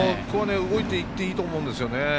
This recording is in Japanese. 動いていっていいと思うんですよね。